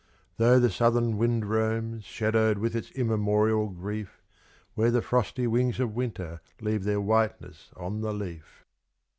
Though the southern wind roams, shadowed with its immemorial grief, Where the frosty wings of Winter leave their whiteness on the leaf.